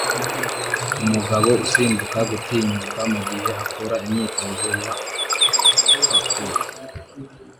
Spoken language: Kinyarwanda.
Umugabo usimbuka gutinyuka mugihe akora imyitozo ya parkour